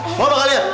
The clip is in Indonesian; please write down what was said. eh mau apa kalian